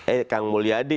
eh kang mulyadi